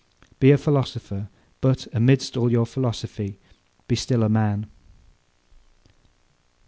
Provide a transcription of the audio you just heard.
Be a philosopher; but, amidst all your philosophy, be still a man. 5.